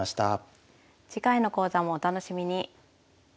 次回の講座もお楽しみに。